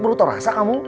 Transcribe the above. baru tau rasa kamu